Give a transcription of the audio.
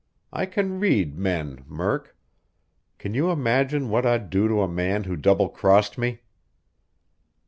I can read men, Murk. Can you imagine what I'd do to a man who double crossed me?"